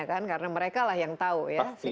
karena mereka lah yang tahu ya